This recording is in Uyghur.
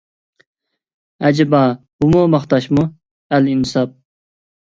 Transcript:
ئەجەبا بۇمۇ ماختاشمۇ، ئەلئىنساپ!!!